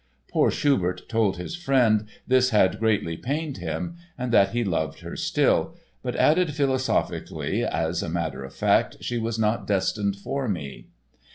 Poor Schubert told his friend this had greatly pained him and that he "loved her still," but added philosophically "as a matter of fact, she was not destined for me."